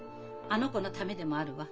あの子のためでもあるわ。